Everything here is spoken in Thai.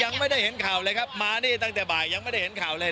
ยังไม่ได้เห็นข่าวเลยครับมานี่ตั้งแต่บ่ายยังไม่ได้เห็นข่าวเลย